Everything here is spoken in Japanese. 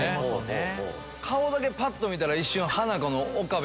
顔だけぱっと見たら。